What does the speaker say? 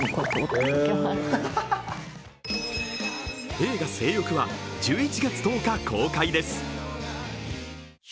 映画「正欲」は１１月１０日公開です。